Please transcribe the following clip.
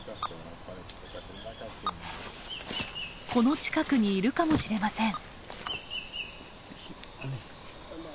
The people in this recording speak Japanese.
この近くにいるかもしれません。